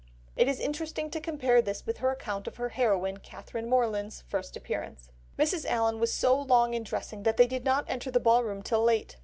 It is interesting to compare this with her account of her heroine, Catherine Morland's first appearance: "Mrs. Allen was so long in dressing, that they did not enter the ball room till late.